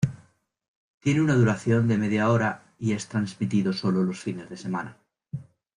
Tiene una duración de media hora y es transmitido sólo los fines de semana.